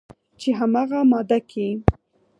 چې همغه ماده کې